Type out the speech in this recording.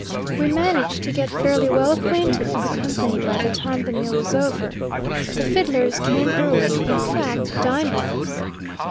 We managed to get fairly well acquainted with the company by the time the meal was over. The fiddlers came early, in fact, dined with us.